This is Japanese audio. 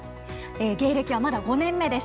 芸歴はまだ５年目です。